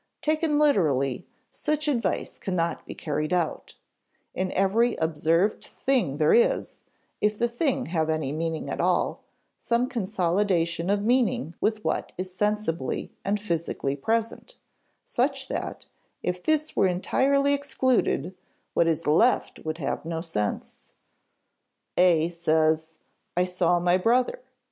Taken literally, such advice cannot be carried out; in every observed thing there is if the thing have any meaning at all some consolidation of meaning with what is sensibly and physically present, such that, if this were entirely excluded, what is left would have no sense. A says: "I saw my brother."